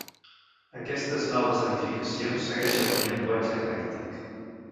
Aquestes noves edificacions segueixen un llenguatge eclèctic.